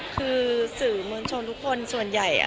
คือสื่อมวลชนทุกคนส่วนใหญ่